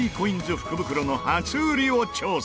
福袋の初売りを調査！